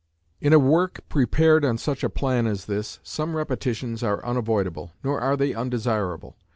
In a work prepared on such a plan as this, some repetitions are unavoidable; nor are they undesirable.